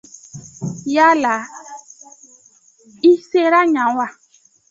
Yala i sera yen wa?